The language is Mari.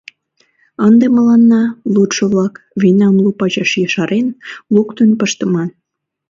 Ынде мыланна, лудшо-влак, вийнам лу пачаш ешарен луктын пыштыман.